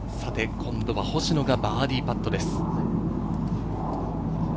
今度は星野がバーディーパットです。